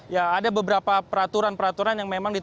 ya ada beberapa peraturan peraturan yang memang